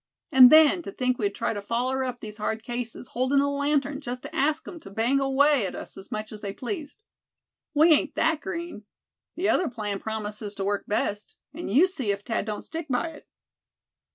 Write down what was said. And then, to think we'd try to foller up these hard cases, holdin' a lantern, just to ask 'em to bang away at us as much as they pleased. We ain't that green. The other plan promises to work best, and you see if Thad don't stick by it."